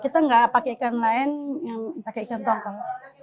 udah aja kalau pakai ikan lain kurang enak rasanya ini ciri ciri ikan tongkol